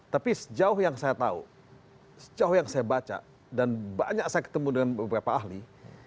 tapi sejauh yang saya tahu sejauh yang saya baca dan banyak saya ketemu dengan beberapa ahli